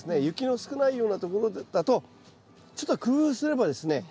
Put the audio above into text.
雪の少ないようなところだとちょっと工夫すればですね